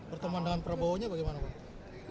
pertemanan dengan prabowo nya bagaimana pak